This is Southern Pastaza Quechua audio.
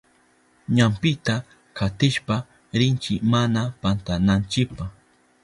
Ñampita katishpa rinchi mana pantananchipa.